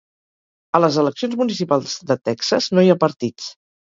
A les eleccions municipals de Texas no hi ha partits.